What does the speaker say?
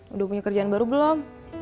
udah punya kerjaan baru belum